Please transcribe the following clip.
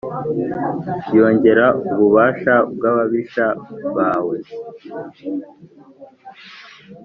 yongera ububasha bw’ababisha bawe.